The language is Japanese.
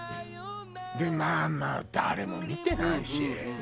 まあまあ誰も見てないし。